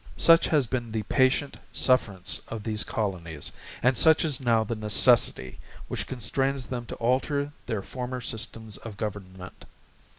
—Such has been the patient sufferance of these Colonies; and such is now the necessity which constrains them to alter their former Systems of Government.